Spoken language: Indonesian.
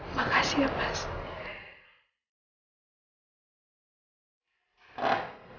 makasih ya pas